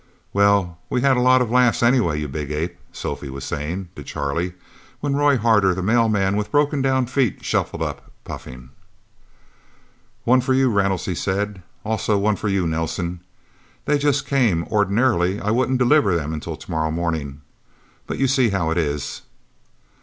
"Well, we had a lot of laughs, anyway, you big ape!" Sophia was saying to Charlie, when Roy Harder, the mailman with broken down feet, shuffled up, puffing. "One for you, Reynolds," he said. "Also one for you, Nelsen. They just came ordinarily I wouldn't deliver them till tomorrow morning. But you see how it is."